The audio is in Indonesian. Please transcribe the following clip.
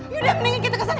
yudah mendingan kita kesana